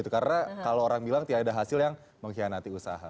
karena kalau orang bilang tidak ada hasil yang mengkhianati usaha